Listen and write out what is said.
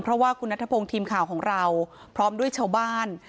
เพราะว่าคุณนัทพงศ์ทีมข่าวของเราพร้อมด้วยชาวบ้าน